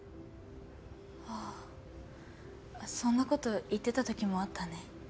あっそんなこと言ってたときもあったね。